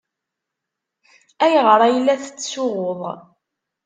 Ayɣer ay la tettsuɣuḍ!